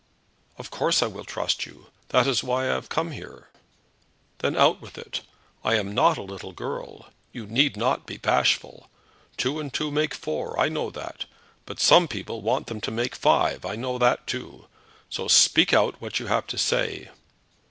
"Of course I will trust you. That is why I have come here." "Then out with it. I am not a little girl. You need not be bashful. Two and two make four. I know that. But some people want them to make five. I know that too. So speak out what you have to say."